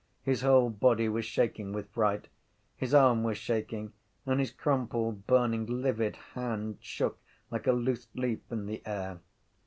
His whole body was shaking with fright, his arm was shaking and his crumpled burning livid hand shook like a loose leaf in the air.